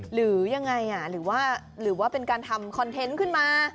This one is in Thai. หรือยังไงหรือว่าหรือว่าเป็นการทำคอนเทนต์ขึ้นมา